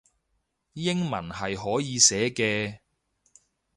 英文係可以寫嘅